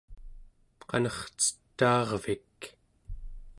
qanercetaarvik